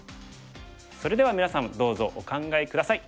それではみなさんどうぞお考え下さい。